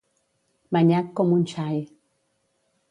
Manyac com un xai.